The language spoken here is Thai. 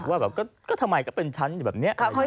ว่าแบบก็ทำไมก็เป็นฉันอยู่แบบนี้